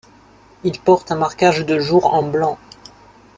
Il porte un marquage de jour en blanc.